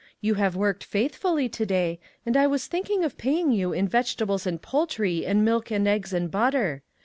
You have worked faithfully to day, and I was thinking of paying you in vegetables and poultry and milk and eggs and butter.